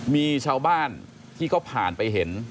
มีชาวบ้านที่เขาผ่านไปเห็น